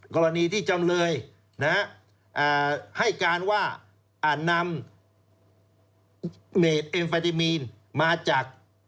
กรณีที่จำเลยให้การว่านำเมตรเอมเฟตามีนมาจาก